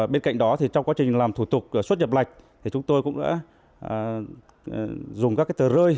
bên cạnh đó trong quá trình làm thủ tục xuất nhập thì chúng tôi cũng đã dùng các tờ rơi